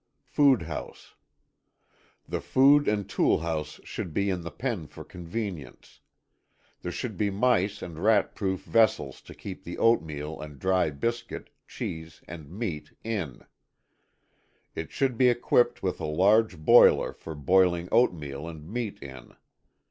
8.ŌĆöFood House. The food and tool house should be in the pen for convenience. There should be mice and rat proof vessels to keep the oatmeal and dry biscuit, cheese, and meat in. It should be equipped with a large boiler for boiling oatmeal and meat in.